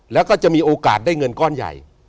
แล้วก็จะมีโอกาสได้เงินก้อนใหญ่